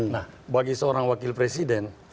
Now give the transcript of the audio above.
nah bagi seorang wakil presiden